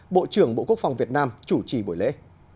bộ trưởng bộ quốc phòng việt nam chủ trì buổi lễ